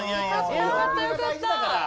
よかったよかった！